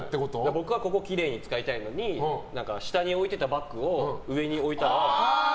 僕はここきれいに使いたいのに下に置いてたバッグを上に置いたりとか。